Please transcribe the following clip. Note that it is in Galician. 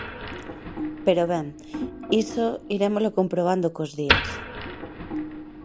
Pero, ben, iso irémolo comprobando cos días.